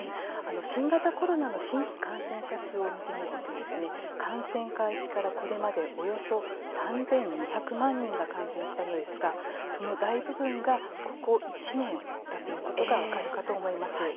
新型コロナの新規感染者数を見てみると感染開始からこれまで、およそ３２００万人が感染したのですが、その大部分がここ１年だということが分かるかと思います。